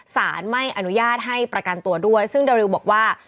สารไม่อนุญาตให้ประกันตัวด้วยซึ่งเดอริวบอกว่า